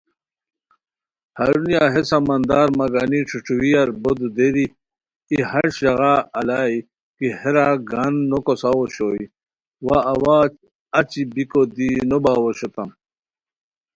ہرونیہ ہے سمندر مہ گانی ݯھوݯوئیار بو دودیری ای ہݰ ژاغا الائے کی ہیرا گان نو کوساؤ اوشوئے وا اوا اچی بیکو دی نوباؤ اوشوتام